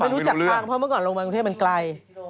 รู้จักทางเพราะเมื่อก่อนลงมากรุงเทพมันไกล